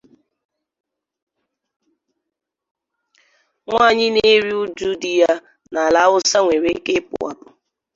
Nwaanyị na-eru uju di ya n'ala Hausa nwèrè ike ịpụ àpụ